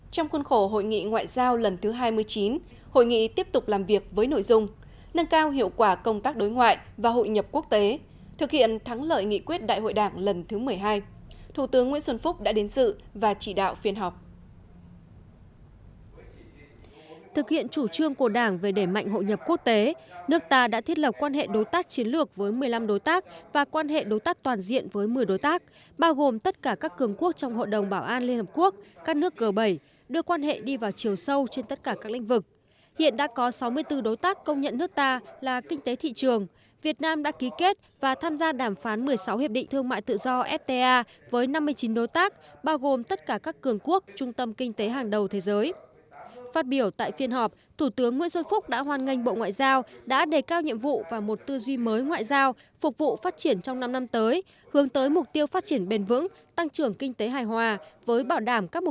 trong khuôn khổ hội nghị ngoại giao lần thứ hai mươi chín hội nghị tiếp tục làm việc với nội dung nâng cao hiệu quả công tác đối ngoại và hội nhập quốc tế thực hiện thắng lợi nghị quyết đại hội đảng lần thứ một mươi hai thủ tướng nguyễn xuân phúc đã đến sự và chỉ đạo phiên họp